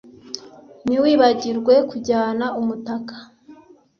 Ntiwibagirwe kujyana umutaka